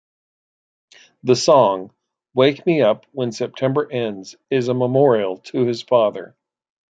The song "Wake Me Up When September Ends" is a memorial to his father.